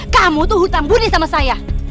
kamu tuh hutang budi sama saya